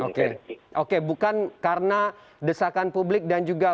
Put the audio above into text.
oke oke bukan karena desakan publik dan juga